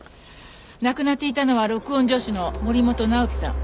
亡くなっていたのは録音助手の森本直己さん。